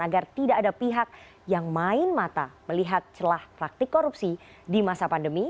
agar tidak ada pihak yang main mata melihat celah praktik korupsi di masa pandemi